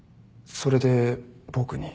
それで僕に。